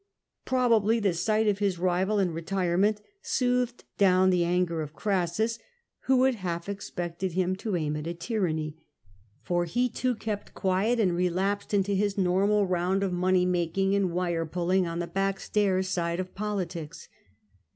Probably the sight of his rival in retirement soothed down the anger of Crassus, who had half expected him to aim at a tyranny. For he too kept quiet, and relapsed into his normal round of money making and wire pulling on the back stairs side of politics.